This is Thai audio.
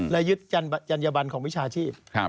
และยึดจรรยาบรรณของวิชาชีพ